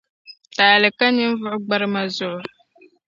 Taali ka ninvuɣu gbarima zuɣu.